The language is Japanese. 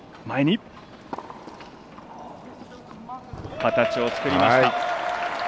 形を作りました。